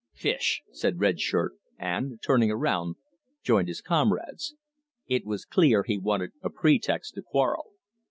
"Pish!" said Red Shirt, and, turning round, joined his comrades. It was clear he wanted a pretext to quarrel.